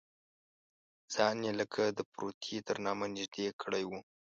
ځان یې لکه د پروتې تر نامه نږدې کړی و.